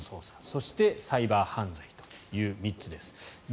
そして、サイバー犯罪という３つです。